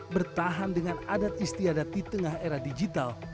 bertahan dengan adat istiadat di tengah era digital